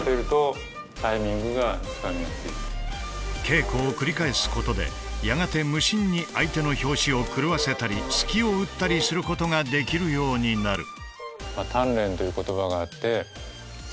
稽古を繰り返すことでやがて無心に相手の拍子を狂わせたり隙を打ったりすることができるようになる。